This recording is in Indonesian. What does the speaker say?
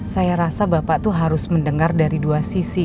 saya rasa bapak tuh harus mendengar dari dua sisi